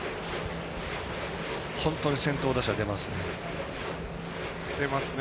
本当に先頭打者出ますね。